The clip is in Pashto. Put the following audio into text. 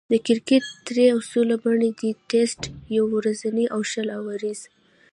د کرکټ درې اصلي بڼې دي: ټېسټ، يو ورځنۍ، او شل اووريز.